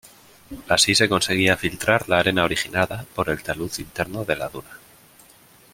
Así se conseguía filtrar la arena originada por el talud interno de la duna.